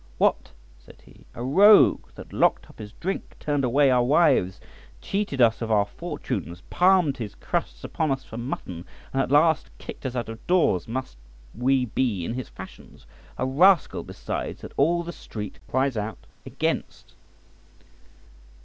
"What!" said he, "a rogue that locked up his drink, turned away our wives, cheated us of our fortunes, palmed his crusts upon us for mutton, and at last kicked us out of doors; must we be in his fashions? A rascal, besides, that all the street cries out against."